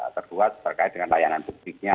terbuat berkait dengan layanan publiknya